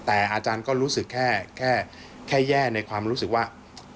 แต่อาจารย์ก็รู้สึกแค่แย่ในความรู้สึกว่า